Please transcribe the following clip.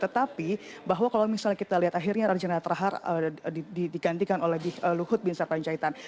tetapi bahwa kalau misalnya kita lihat akhirnya archandra thakar digantikan oleh luhut bin sar panjaitan